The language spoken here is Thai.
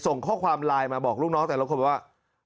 ส่งข้อความไลน์มาบอกลูกน้องแต่ละคนว่า